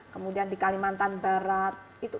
kemudian di kalimantan barat